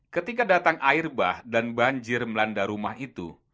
ketika datang air bah dan banjir melanda rumah itu